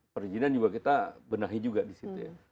perizinan juga kita benahi juga di situ ya